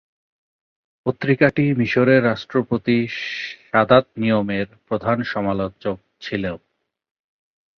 পত্রিকাটি মিশরের রাষ্ট্রপতি সাদাত নিয়মের প্রধান সমালোচক ছিল।